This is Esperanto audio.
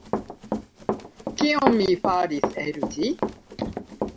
Kion mi faris el ĝi?